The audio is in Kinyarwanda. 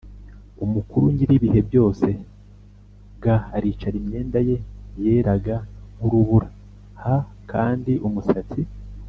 Umukuru Nyir ibihe byose g aricara Imyenda ye yeraga nk urubura h kandi umusatsi